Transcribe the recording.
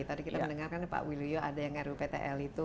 tadi kita mendengarkan pak wiluyo ada yang ruptl itu